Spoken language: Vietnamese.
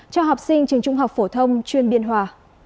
cho học sinh trường trung học phổ thông chuyên biên hòa